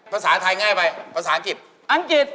ภาษาไทยง่ายไปภาษาอังกฤษอังกฤษ